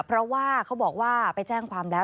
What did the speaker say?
เพราะว่าเขาบอกว่าไปแจ้งความแล้ว